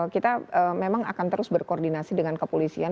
kita memang akan terus berkoordinasi dengan kepolisian